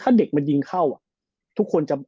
ถ้าเด็กมันยิงเข้าทุกคนจะ